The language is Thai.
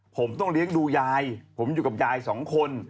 ผมต้องเลี้ยงดูยายผมอยู่กับยายสองคน